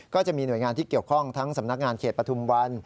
ก็จะมีหน่วยงานที่เกี่ยวข้องทั้งสำนักงานเขตปฐุมวัน